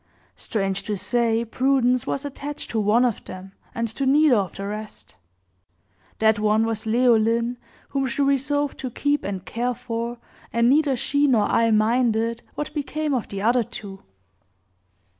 Strange to say, Prudence was attached to one of them, and to neither of the rest that one was Leoline, whom she resolved to keep and care for, and neither she nor I minded what became of the other two."